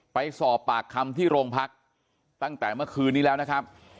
ไปสอบปากคำที่โรงพักตั้งแต่เมื่อคืนนี้แล้วนะครับ